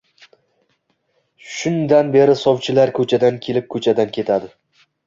Shundan beri sovchilar ko‘chadan kelib, ko‘chadan ketadi